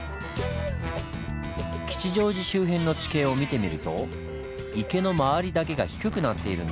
吉祥寺周辺の地形を見てみると池の周りだけが低くなっているんです。